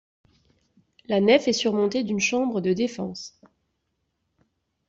La nef est surmontée d'une chambre de défense.